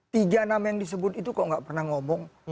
tiga nama yang disebut itu kok nggak pernah ngomong